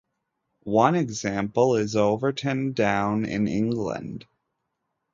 One example is Overton Down in England.